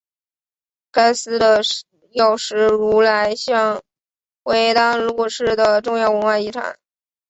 该寺的药师如来像为淡路市的重要文化财产。